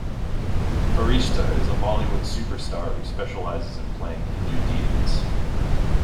Farishta is a Bollywood superstar who specialises in playing Hindu deities.